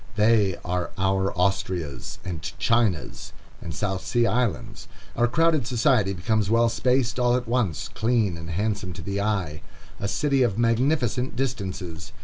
They are our Austrias, and Chinas, and South Sea Islands. Our crowded society becomes well spaced all at once, clean and handsome to the eye, a city of magnificent distances.